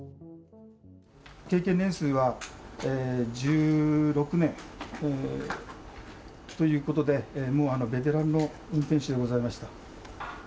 経験年数は１６年ということで、もうベテランの運転手でございました。